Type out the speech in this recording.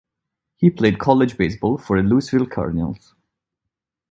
He played college baseball for the Louisville Cardinals.